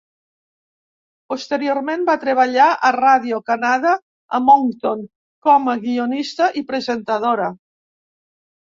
Posteriorment, va treballar a Radio-Canada a Moncton com a guionista i presentadora.